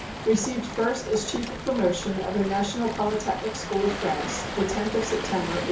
Received first as Chief of Promotion of the National Polytechnic School of France, the 10th of September, 1877.